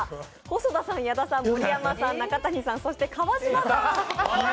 細田さん、矢田さん、盛山さん、中谷さん、そして川島さん。